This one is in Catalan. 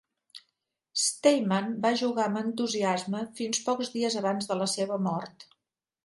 Stayman va jugar amb entusiasme fins pocs dies abans de la seva mort.